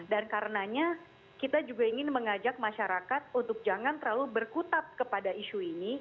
dan karenanya kita juga ingin mengajak masyarakat untuk jangan terlalu berkutat kepada isu ini